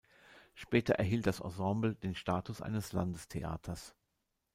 Später erhielt das Ensemble den Status eines Landestheaters.